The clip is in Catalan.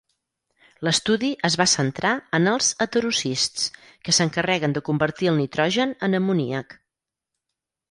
L'estudi es va centrar en els heterocists, que s'encarreguen de convertir el nitrogen en amoníac.